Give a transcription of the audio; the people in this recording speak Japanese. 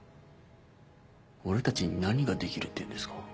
俺たちに何ができるっていうんですか？